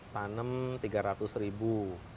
tanam tiga ratus ribu